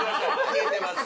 消えてます。